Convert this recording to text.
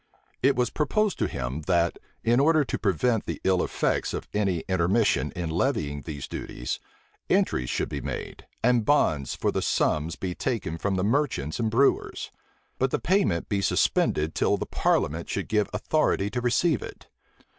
It was proposed to him, that, in order to prevent the ill effects of any intermission in levying these duties, entries should be made, and bonds for the sums be taken from the merchants and brewers; but the payment be suspended till the parliament should give authority to receive it.